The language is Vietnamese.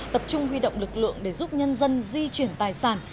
tập trung huy động lực lượng để giúp nhân dân di chuyển tài sản